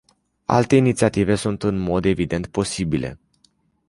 Alte inițiative sunt în mod evident posibile.